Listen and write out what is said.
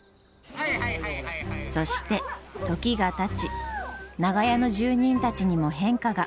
そして時がたち長屋の住人たちにも変化が。